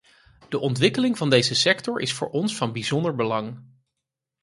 De ontwikkeling van deze sector is voor ons van bijzonder belang.